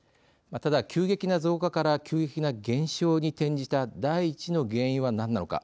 ただ、急激な増加から急激な減少に転じた第一の原因は何なのか。